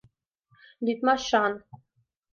— Лӱдмашан.